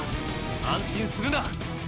安心するな！！